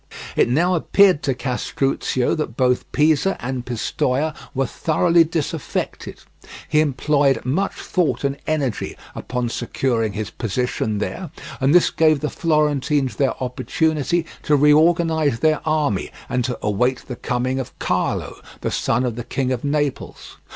It now appeared to Castruccio that both Pisa and Pistoia were thoroughly disaffected; he employed much thought and energy upon securing his position there, and this gave the Florentines their opportunity to reorganize their army, and to await the coming of Carlo, the son of the King of Naples.